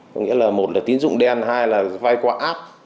có nghĩa là một là tín dụng đen hai là vay qua app